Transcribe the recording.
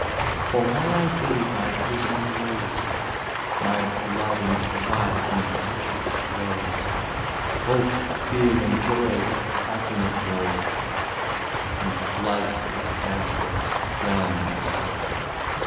For while I gaze my bosom glows, My blood in tides impetuous flows; Hope, fear, and joy alternate roll, And floods of transports 'whelm my soul!